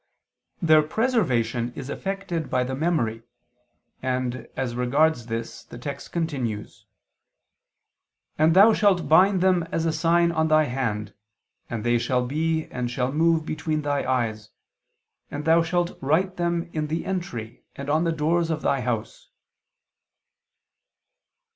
Their preservation is effected by the memory, and, as regards this, the text continues "and thou shalt bind them as a sign on thy hand, and they shall be and shall move between thy eyes. And thou shalt write them in the entry, and on the doors of thy house."